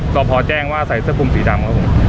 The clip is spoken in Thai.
ก็พอแจ้งว่าใส่เสื้อกลุ่มสีดำครับผม